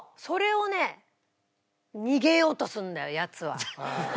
それをね逃げようとするんだよヤツは。